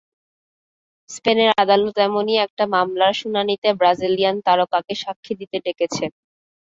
স্পেনের আদালত এমনই একটা মামলার শুনানিতে ব্রাজিলিয়ান তারকাকে সাক্ষ্য দিতে ডেকেছে।